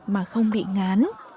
và không bị ngán